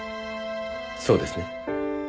そうですね？